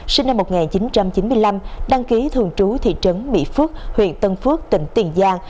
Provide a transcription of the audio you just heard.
sinh năm một nghìn chín trăm chín mươi năm đăng ký thường trú thị trấn mỹ phước huyện tân phước tỉnh tiền giang